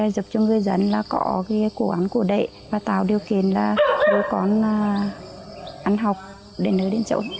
giúp cho người dân có cổ ấm cổ đệ và tạo điều kiện đối con ăn học để nơi đến chỗ